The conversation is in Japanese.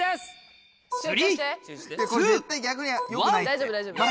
大丈夫大丈夫。